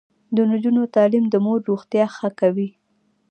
د نجونو تعلیم د مور روغتیا ښه کوي.